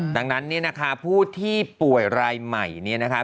ดังนั้นเนี่ยนะคะผู้ที่ป่วยรายใหม่เนี่ยนะคะ